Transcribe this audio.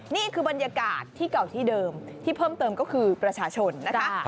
นี่คือบรรยากาศที่เก่าที่เดิมที่เพิ่มเติมก็คือประชาชนนะคะ